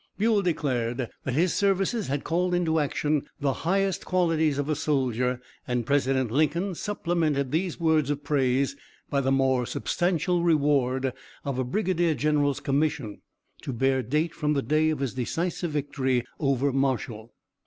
Buell declared that his services had called into action the highest qualities of a soldier, and President Lincoln supplemented these words of praise by the more substantial reward of a Brigadier General's Commission, to bear date from the day of his decisive victory over Marshall.